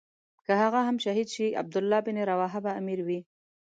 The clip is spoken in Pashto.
که هغه هم شهید شي عبدالله بن رواحه به امیر وي.